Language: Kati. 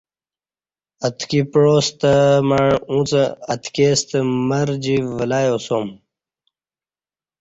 اتکی پعاستہ مع اُݩڅ اتکیستہ مر جی ولہ یاسُوم